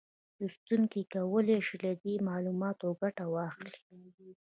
لوستونکي کولای شي له دې معلوماتو ګټه واخلي